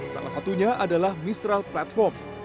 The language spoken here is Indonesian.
salah satunya adalah mistral platform